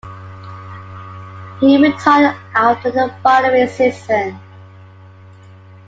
He retired after the following season.